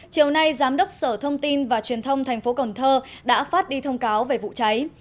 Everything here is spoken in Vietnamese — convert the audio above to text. chiều nay giám đốc sở thông tin và truyền thông tp cn đã phát đi thông cáo về vụ cháy